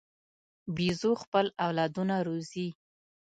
بیزو خپل اولادونه روزي.